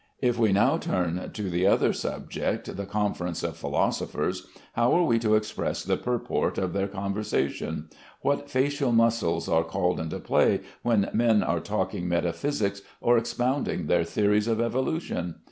If we now turn to the other subject, the conference of philosophers, how are we to express the purport of their conversation? What facial muscles are called into play when men are talking metaphysics or expounding their theories of evolution?